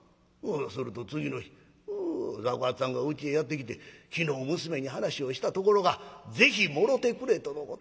すると次の日雑穀八さんがうちへやって来て『昨日娘に話をしたところがぜひもろてくれとのこと。